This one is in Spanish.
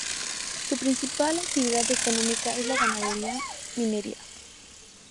Su principal actividad económica es la ganadería, minería.